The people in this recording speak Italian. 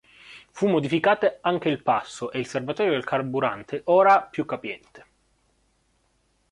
Fu modificato anche il passo e il serbatoio del carburante ora più capiente.